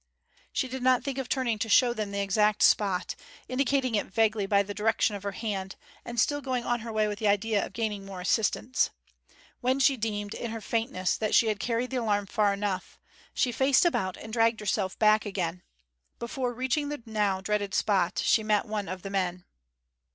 She did not think of turning to show them the exact spot, indicating it vaguely by the direction of her hand, and still going on her way with the idea of gaining more assistance. When she deemed, in her faintness, that she had carried the alarm far enough, she faced about and dragged herself back again. Before reaching the now dreaded spot she met one of the men.